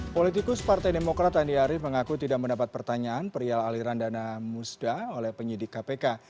politikus partai demokrat andi arief mengaku tidak mendapat pertanyaan perial aliran dana musda oleh penyidik kpk